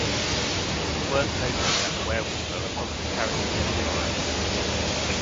It is worth noting that the Werewolves are positive characters in the story.